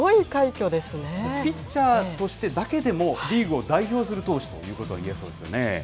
ピッチャーとしてだけでも、リーグを代表する投手ということがいえそうですよね。